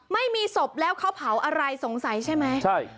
ไม่มีศพแล้วเขาเผาอะไรสงสัยใช่ไหมใช่